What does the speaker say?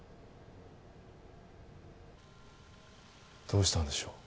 どうしたんでしょう？